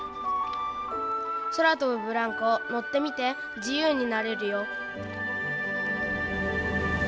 そらとぶブランコ、乗ってみて、自由になれるよ。